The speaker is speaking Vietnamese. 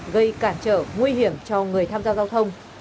gây cản trở nguy hiểm cho người tham gia giao thông